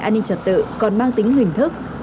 an ninh trật tự còn mang tính hình thức